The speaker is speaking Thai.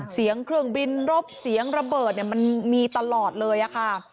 เสียงเครื่องบินรบเสียงระเบิดมันมีตลอดเลยค่ะ